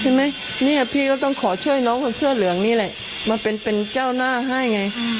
ใช่ไหมเนี่ยพี่ก็ต้องขอช่วยน้องคนเสื้อเหลืองนี่แหละมาเป็นเป็นเจ้าหน้าให้ไง